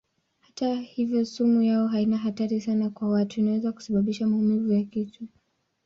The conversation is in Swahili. Hata hivyo sumu yao haina hatari sana kwa watu; inaweza kusababisha maumivu ya kichwa.